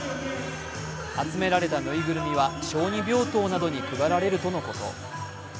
集められたぬいぐるみは小児病棟などに配られるということ。